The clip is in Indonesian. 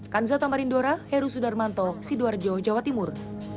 kan zatamarin dora heru sudarmanto sidoarjo jawa timur